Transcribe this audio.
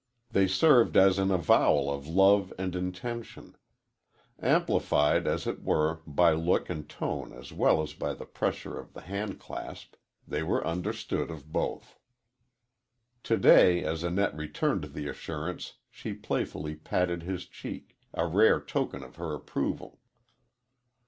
They served as an avowal of love and intention. Amplified, as it were, by look and tone as well as by the pressure of the hand clasp, they were understood of both. To day as Annette returned the assurance she playfully patted his cheek, a rare token of her approval.